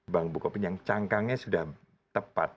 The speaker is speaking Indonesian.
bank bukopin yang cangkangnya sudah tepat